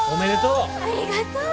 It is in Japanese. ありがとう！